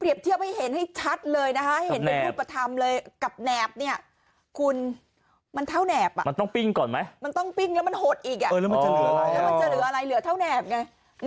แล้วมันจะเหลืออะไรมันจะเหลืออะไรเหลือเท่าแนบไง